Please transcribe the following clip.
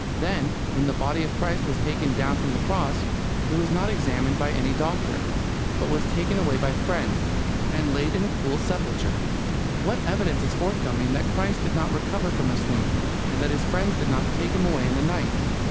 Then, when the body of Christ was taken down from the cross, it was not examined by any doctor, but was taken away by friends, and laid in a cool sepulchre. What evidence is forthcoming that Christ did not recover from a swoon, and that His friends did not take Him away in the night?